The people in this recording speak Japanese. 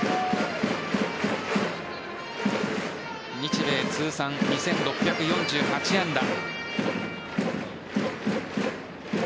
日米通算２６４８安打。